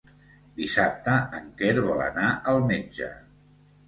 Dissabte en Quer vol anar al metge.